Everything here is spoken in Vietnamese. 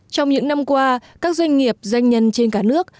trong những năm qua các doanh nghiệp doanh nhân trên cả nước